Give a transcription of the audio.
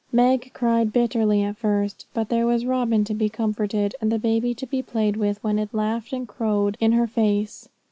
Meg cried bitterly at first; but there was Robin to be comforted, and the baby to be played with when it laughed and crowed in her face.